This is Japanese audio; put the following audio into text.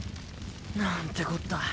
なんてこった。